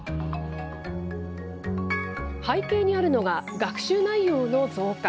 背景にあるのが、学習内容の増加。